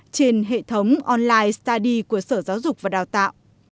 trên hệ thống online study của sở giáo dục và đào tạo